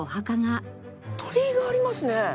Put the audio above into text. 鳥居がありますね。